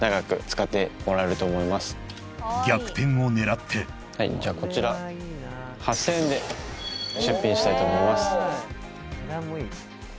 逆転を狙ってはいじゃあこちら８０００円で出品したいと思います。